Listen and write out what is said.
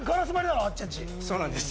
そうなんです。